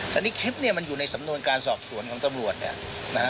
แต่นี่คลิปเนี่ยมันอยู่ในสำนวนการสอบสวนของตำรวจเนี่ยนะฮะ